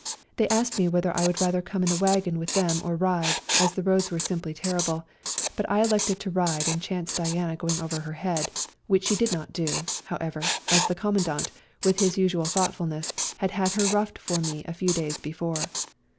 They asked me whether I would rather come in the wagon with them or ride, as the roads were simply terrible, but I elected to ride and chance Diana going on her head, which she did not do, however, as the Commandant, with his usual thoughtfulness, had had her roughed for me a few days before.